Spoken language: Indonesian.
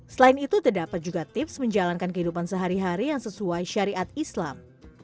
selain itu terdapat juga tips menjalankan kehidupan sehari hari yang sesuai syariat islam